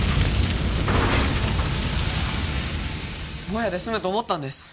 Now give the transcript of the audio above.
ボヤで済むと思ったんです